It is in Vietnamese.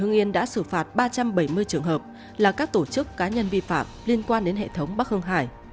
hương yên đã xử phạt ba trăm bảy mươi trường hợp là các tổ chức cá nhân vi phạm liên quan đến hệ thống bắc hương hải